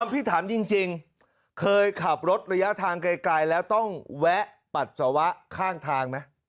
พี่ถามจริงเคยขับรถระยะทางไกลแล้วต้องแวะปัสสาวะข้างทางไหม